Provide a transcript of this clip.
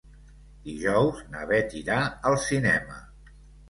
Dijous na Bet irà al cinema.